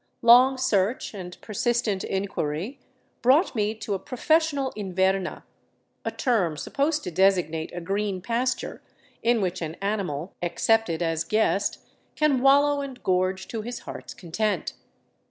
Long search and persistent inquiry brought me to a professional inverna, a term supposed to designate a green pasture in which an animal ac cepted as guest can wallow and gorge to his heart's content.